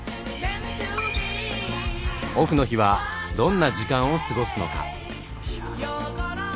オフの日はどんな時間を過ごすのか？